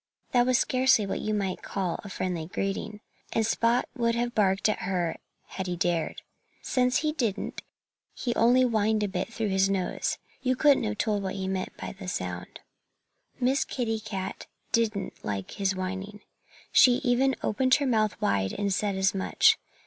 That was scarcely what you might call a friendly greeting. And Spot would have barked at her had he dared. Since he didn't, he only whined a bit through his nose. You couldn't have told what he meant by the sound. Miss Kitty Cat didn't like his whining. She even opened her mouth wide and said as much.